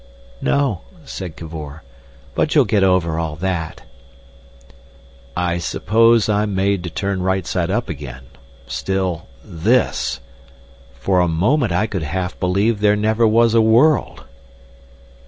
"No," said Cavor; "but you'll get over all that." "I suppose I'm made to turn right side up again. Still, this— For a moment I could half believe there never was a world."